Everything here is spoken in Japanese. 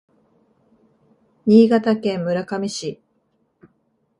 新潟県村上市